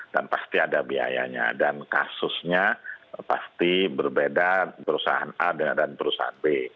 dan pasti ada biayanya dan kasusnya pasti berbeda perusahaan a dan perusahaan b